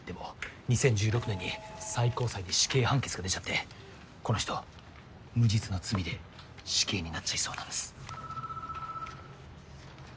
でも２０１６年に最高裁で死刑判決が出ちゃってこの人無実の罪で死刑になっちゃいそうなんです。